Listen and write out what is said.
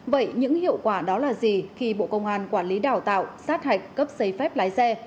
vậy những hiệu quả đó là gì khi bộ công an quản lý đào tạo sát hạch cấp giấy phép lái xe